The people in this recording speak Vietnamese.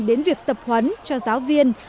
đến việc tập huấn cho giáo viên